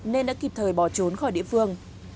nên đã kịp thời bỏ trốn khỏi địa phương